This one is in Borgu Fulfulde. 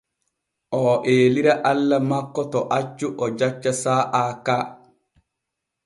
Oo eelira Allah makko to accu o jacca saa’a ka.